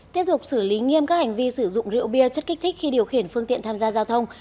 tiếp tục xử lý nghiêm các hành vi sử dụng rượu bia chất kích thích khi điều khiển phương tiện tham gia giao thông